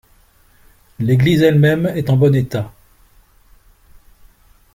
L'église elle-même est en bon état.